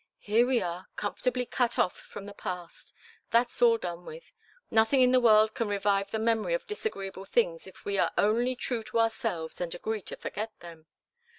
Here we are comfortably cut off from the past. That's all done with. Nothing in the world can revive the memory of disagreeable things if we are only true to ourselves and agree to forget them.